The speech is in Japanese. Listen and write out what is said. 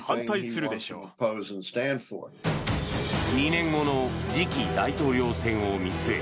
２年後の次期大統領選を見据え